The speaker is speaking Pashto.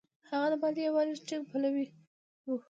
هغه د ملي یووالي ټینګ پلوی و.